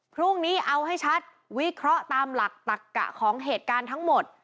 พรุ่งนี้เอาให้ชัดวิเคราะห์ตามหลักตักกะของเหตุการณ์ทั้งหมด